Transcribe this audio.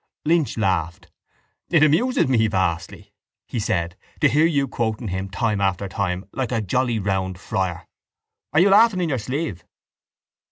Lynch laughed. —It amuses me vastly, he said, to hear you quoting him time after time like a jolly round friar. Are you laughing in your sleeve?